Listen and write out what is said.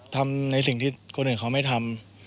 ทำในสิ่งที่คนอื่นเขาไม่ทำ